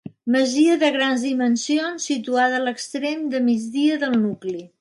Masia de grans dimensions, situada a l'extrem de migdia del nucli.